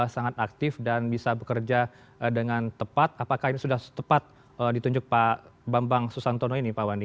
sangat aktif dan bisa bekerja dengan tepat apakah ini sudah tepat ditunjuk pak bambang susantono ini pak wandi